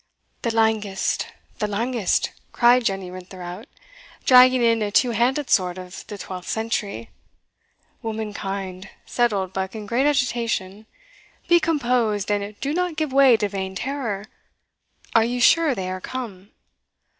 "The langest, the langest," cried Jenny Rintherout, dragging in a two handed sword of the twelfth century. "Womankind," said Oldbuck in great agitation, "be composed, and do not give way to vain terror Are you sure they are come?"